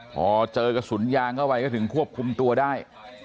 พอเจอกระสุนยางเข้าไปก็ถึงควบคุมตัวได้